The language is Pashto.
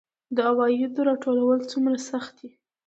د عوایدو راټولول څومره سخت دي؟